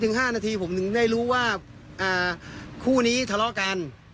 ๕นาทีผมถึงได้รู้ว่าคู่นี้ทะเลาะกัน